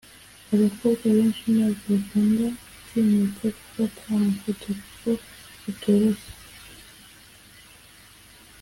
Abakobwa benshi ntabwo bakunda gutinyuka gufata amafoto kuko bitoroshye